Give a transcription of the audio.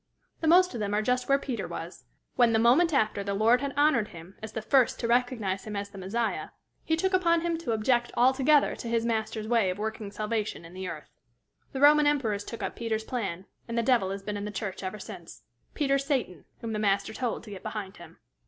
The most of them are just where Peter was, when, the moment after the Lord had honored him as the first to recognize him as the Messiah, he took upon him to object altogether to his Master's way of working salvation in the earth. The Roman emperors took up Peter's plan, and the devil has been in the church ever since Peter's Satan, whom the Master told to get behind him.